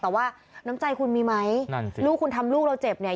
แต่ว่าน้ำใจคุณมีไหมนั่นสิลูกคุณทำลูกเราเจ็บเนี่ย